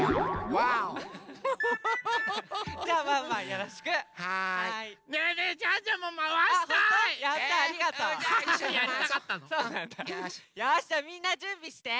よしじゃあみんなじゅんびして！